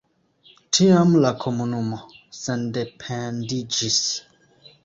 Tiam la komunumo sendependiĝis.